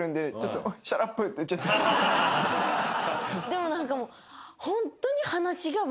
でも何かもう。